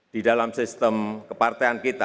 di dalam sistem kepartean kita